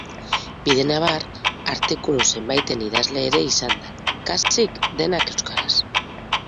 Bidenabar, artikulu zenbaiten idazle ere izan da, kasik denak euskaraz.